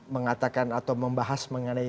mengatakan atau membahas mengenai